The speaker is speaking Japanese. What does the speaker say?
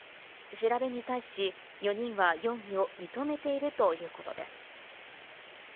調べに対し、４人は容疑を認めているということです。